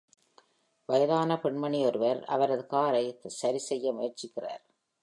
வயதான பெண்மணி ஒருவர் அவரது காரை சரிசெய்ய முயற்சிக்கிறார்